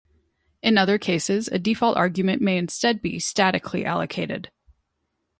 In other cases a default argument may instead be statically allocated.